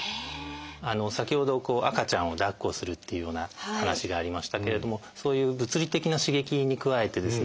先ほど赤ちゃんをだっこするっていうような話がありましたけれどもそういう物理的な刺激に加えてですね